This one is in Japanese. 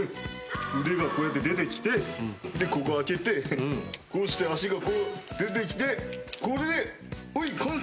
腕がこうやって出てきてここ開けてこうして脚がこう出てきてこれで完成。